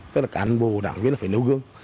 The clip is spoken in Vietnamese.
tức là cán bộ đảng viên phải nêu gương